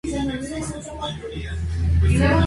Sin embargo, es Francia quien controla dicha moneda.